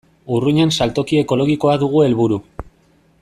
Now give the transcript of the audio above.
Urruñan saltoki ekologikoa dugu helburu.